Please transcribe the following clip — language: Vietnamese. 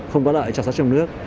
không có lợi cho sản xuất trong nước